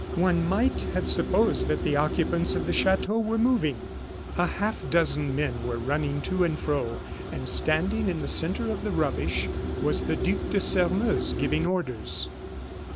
One might have supposed that the occupants of the chateau were moving. A half dozen men were running to and fro, and standing in the centre of the rubbish was the Duc de Sairmeuse, giving orders.